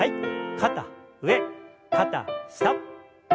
肩上肩下。